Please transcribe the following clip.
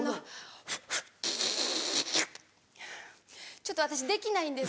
ちょっと私できないんです。